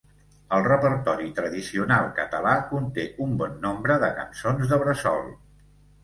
El repertori tradicional català conté un bon nombre de cançons de bressol.